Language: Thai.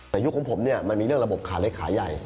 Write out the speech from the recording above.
แต่ยุคของผมเนี่ยมันมีเรื่องระบบขาเล็กขาใหญ่